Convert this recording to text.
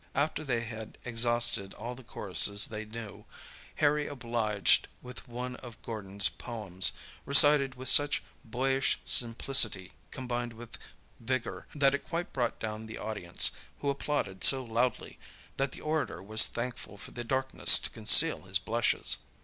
After they had exhausted all the choruses they knew, Harry "obliged" with one of Gordon's poems, recited with such boyish simplicity combined with vigour that it quite brought down the audience, who applauded so loudly that the orator was thankful for the darkness to conceal his blushes.